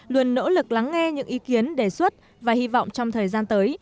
luôn nỗ lực lắng nghe những ý kiến đề xuất và hy vọng trong thời gian tới